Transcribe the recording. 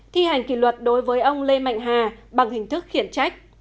thi hành kỷ luật đối với ông lê mạnh hà bằng hình thức khiển trách